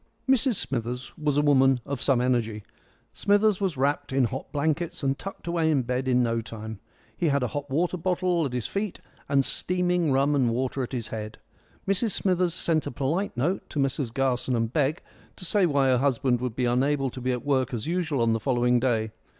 Mrs Smithers was a woman of some energy. Smithers was wrapped in hot blankets and tucked away in bed in no time. He had a hot water bottle at his feet, and steaming rum and water at his head. Mrs Smithers sent a polite note to Messrs Garson & Begg to say why her husband would be unable to be at work as usual on the following day.